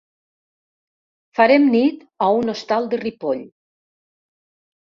Farem nit a un hostal de Ripoll.